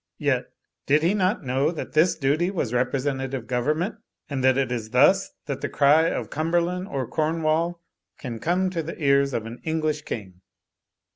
Yet did he not know that this duty was Representative Govern ment; and that it is thus that the cry of Cumberland or Cornwall can come to the ears of an English King.